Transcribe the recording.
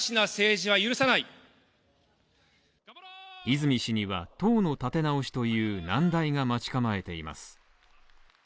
泉氏には党の立て直しという難題が待ち構えています。